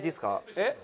えっ？